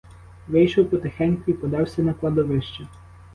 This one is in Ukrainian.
Вийшов потихеньку і подався на кладовище.